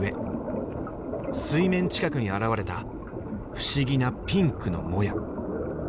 水面近くに現れた不思議なピンクのモヤ。